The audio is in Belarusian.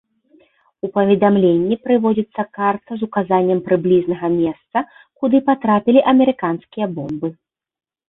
У паведамленні прыводзіцца карта з указаннем прыблізнага месца, куды патрапілі амерыканскія бомбы.